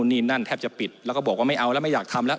นี่นั่นแทบจะปิดแล้วก็บอกว่าไม่เอาแล้วไม่อยากทำแล้ว